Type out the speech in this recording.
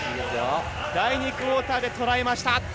第２クオーターで捉えました。